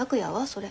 それ。